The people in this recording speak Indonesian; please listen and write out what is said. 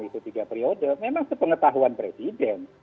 itu tiga periode memang sepengetahuan presiden